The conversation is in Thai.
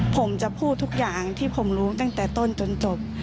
ผมจะพูดทุกอย่างที่ผมรู้ตั้งแต่ต้นจนจบ